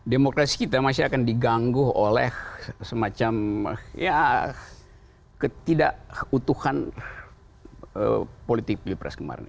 demokrasi kita masih akan diganggu oleh semacam ketidakutuhan politik pilpres kemarin